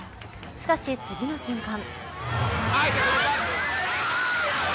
しかし、次の瞬間。